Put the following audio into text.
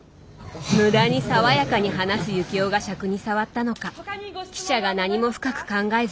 無駄に爽やかに話す幸男がしゃくに障ったのか記者が何も深く考えずに発した。